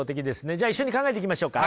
じゃあ一緒に考えていきましょうか。